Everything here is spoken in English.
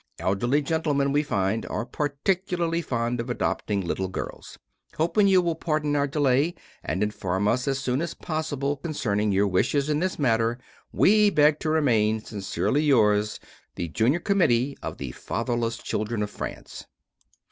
Elderly gentlemen, we find, are particularly fond of adopting little girls. Hoping you will pardon our delay, and inform us as soon as possible concerning your wishes in this matter, we beg to remain, Sincerely yours, The Junior Committee for The Fatherless Children of France.